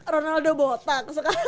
ronaldo botak sekarang